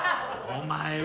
お前は。